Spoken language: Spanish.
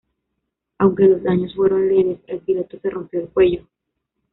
Aunque los daños fueron leves, el piloto se rompió el cuello.